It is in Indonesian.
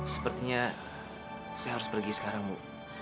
sepertinya saya harus pergi sekarang bu